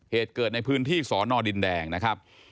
เหตุเกิดในพื้นที่สอนอดินแดงนะครับ